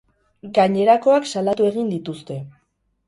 Gainerakoak salatu egin dituzte.